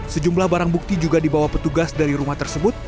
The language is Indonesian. sejumlah barang bukti juga dibawa petugas dari rumah tersebut